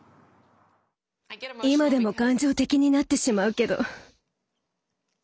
今でも感情的になってしまうけど。